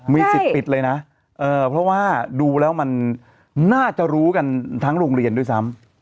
มีสิทธิ์ปิดเลยนะเพราะว่าดูแล้วมันน่าจะรู้กันทั้งโรงเรียนด้วยซ้ำ